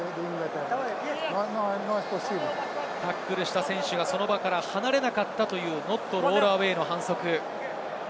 タックルした選手がその場から離れなかったというノットロールアウェイの反則。